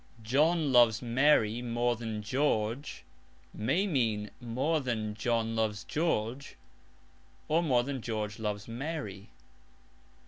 "John loves Mary more than George" may mean "more than John loves George" or "more than George loves Mary."